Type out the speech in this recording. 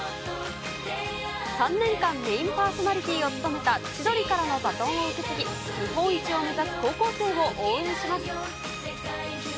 ３年間メインパーソナリティーを務めた千鳥からのバトンを受け継ぎ、日本一を目指す高校生を応援します。